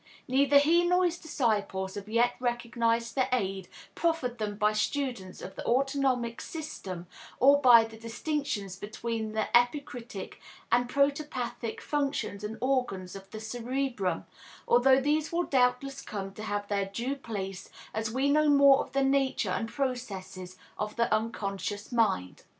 Neither he nor his disciples have yet recognized the aid proffered them by students of the autonomic system or by the distinctions between the epicritic and protopathic functions and organs of the cerebrum, although these will doubtless come to have their due place as we know more of the nature and processes of the unconscious mind.